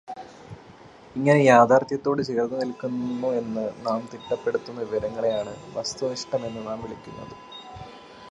ഇങ്ങനെ യാഥാർത്ഥ്യത്തോട് ചേർന്നു നിൽക്കുന്നുവെന്നു നാം തിട്ടപ്പെടുത്തുന്ന വിവരങ്ങളെയാണ് വസ്തുനിഷ്ഠമെന്നു നാം വിളിക്കുന്നത്.